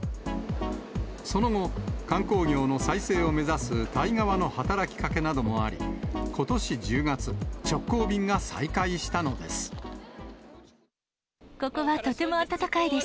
その後、観光業の再生を目指すタイ側の働きかけなどもあり、ことし１０月、ここはとても暖かいです。